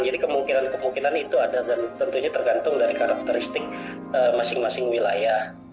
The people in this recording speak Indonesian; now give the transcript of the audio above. jadi kemungkinan kemungkinan itu ada dan tentunya tergantung dari karakteristik masing masing wilayah